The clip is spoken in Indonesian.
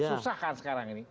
susah kan sekarang ini